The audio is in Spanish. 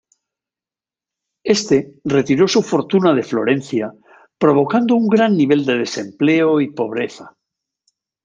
Éste retiró su fortuna de Florencia provocando un gran nivel de desempleo y pobreza.